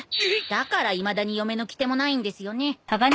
だからいまだに嫁の来手もないんですよね。